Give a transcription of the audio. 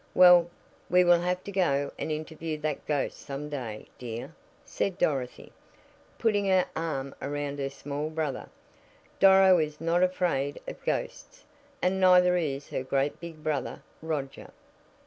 "Well, we will have to go and interview that ghost some day, dear," said Dorothy, putting her arm around her small brother. "Doro is not afraid of ghosts, and neither is her great big brother, Roger."